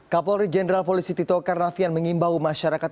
kapolri jenderal polisi tito karnavian mengimbau masyarakat